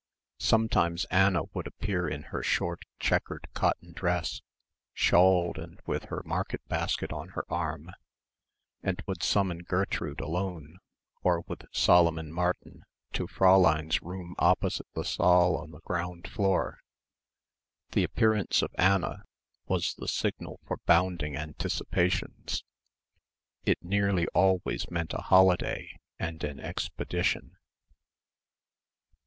Sometimes Anna would appear in her short, chequered cotton dress, shawled and with her market basket on her arm, and would summon Gertrude alone or with Solomon Martin to Fräulein's room opposite the saal on the ground floor. The appearance of Anna was the signal for bounding anticipations. It nearly always meant a holiday and an expedition.